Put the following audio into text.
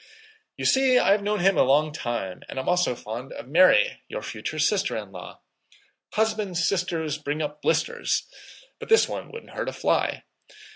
"You see I have known him a long time and am also fond of Mary, your future sister in law. 'Husbands' sisters bring up blisters,' but this one wouldn't hurt a fly.